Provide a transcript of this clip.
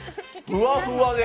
ふわふわで。